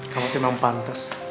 kamu tuh memang pantas